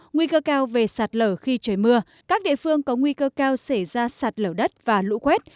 nguy cơ cao về sạt lở khi trời mưa các địa phương có nguy cơ cao xảy ra sạt lở đất và lũ quét